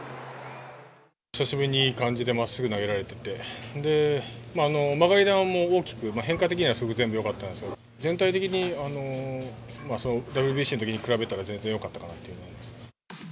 久しぶりにいい感じでまっすぐ投げられてて、曲がり球も大きく変化的には、すごく全部よかったんですけど、全体的に、ＷＢＣのときに比べたら、全然よかったかなと思います。